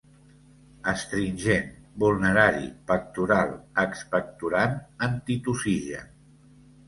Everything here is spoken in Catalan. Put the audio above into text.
Astringent, vulnerari, pectoral, expectorant, antitussigen.